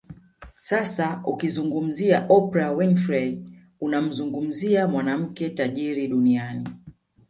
Sasa ukimzungumzia Oprah Winfrey unamzungumzia mwanamke tajiri Duniani